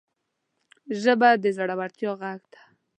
ژبه د زړورتیا غږ ده